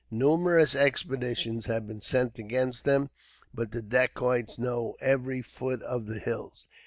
Numerous expeditions have been sent against them, but the Dacoits know every foot of the hills.